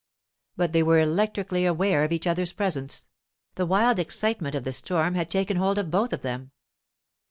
But they were electrically aware of each other's presence; the wild excitement of the storm had taken hold of both of them.